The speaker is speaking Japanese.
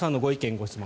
・ご質問